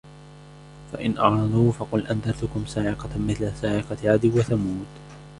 فَإِنْ أَعْرَضُوا فَقُلْ أَنْذَرْتُكُمْ صَاعِقَةً مِثْلَ صَاعِقَةِ عَادٍ وَثَمُودَ